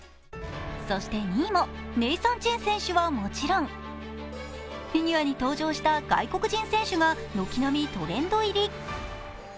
そして２位も、ネイサン・チェン選手はもちろんフィギュアに登場した外国人選手が軒並みトレンド入り。